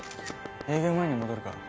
営業前には戻るから。